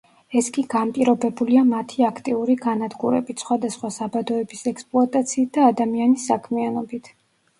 ეს კი განპირობებულია მათი აქტიური განადგურებით, სხვადასხვა საბადოების ექსპლუატაციით და ადამიანის საქმიანობით.